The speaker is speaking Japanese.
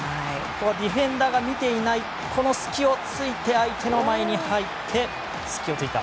ディフェンダーが見ていない隙を突いて相手の前に入って、隙を突いた。